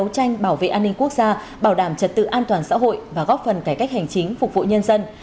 tranh bảo vệ an ninh quốc gia bảo đảm trật tự an toàn xã hội và góp phần cải cách hành chính phục vụ nhân dân